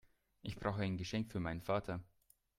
Ich brauche ein Geschenk für meinen Vater.